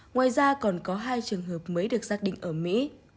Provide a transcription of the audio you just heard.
ngoài ra còn có hai trường hợp mới được xác định ở mỹ